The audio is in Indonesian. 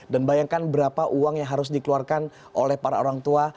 dan bayangkan berapa uang yang harus dikeluarkan oleh para orang tua